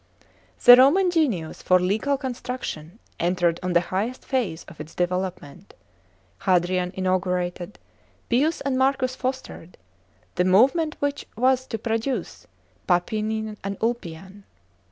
The Roman genius for legal construc tion entered on the highest phase of its development. Hadrian inaugurated, Pius and Marcus fostered, the movement which was to produce Papinian and Ulpian.